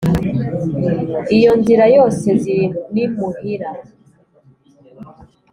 iyo nzira yose ziri n'imuhira